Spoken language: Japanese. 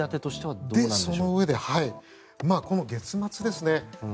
そのうえで、月末ですね